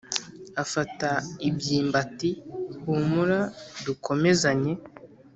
afata ibyimbo ati "humura dukomezanye